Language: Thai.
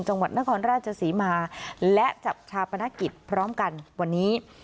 จังหวัดนครราชศรีมาและจัดชาปนกิจพร้อมกันวันนี้